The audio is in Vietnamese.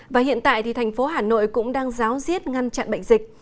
và hiện tại thì thành phố hà nội cũng đang giáo diết ngăn chặn bệnh dịch